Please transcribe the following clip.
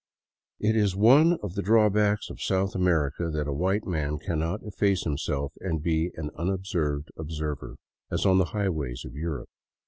It is one of the drawbacks of South America that a white man cannot efface himself and be an unobserved observer, as on the highways of Europe.